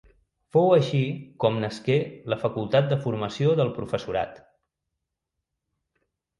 Fou així com nasqué la Facultat de Formació del Professorat.